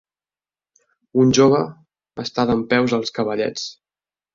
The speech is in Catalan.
Un jove està dempeus als cavallets.